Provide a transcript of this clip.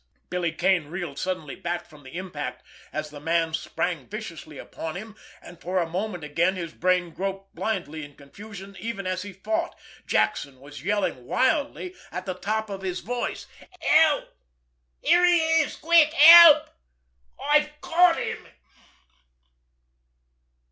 Billy Kane reeled suddenly back from the impact, as the man sprang viciously upon him—and for a moment again his brain groped blindly in confusion, even as he fought. Jackson was yelling wildly at the top of his voice. "Help! Here he is! Quick! Help! I've caught him!"